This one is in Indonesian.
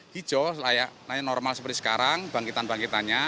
hijau layak naik normal seperti sekarang bangkitan bangkitannya